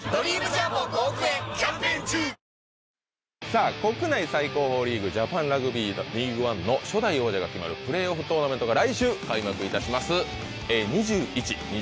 さぁ国内最高峰リーグジャパンラグビーリーグワンの初代王者が決まるプレーオフトーナメントが来週開幕いたします。